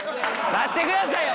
待ってくださいよ！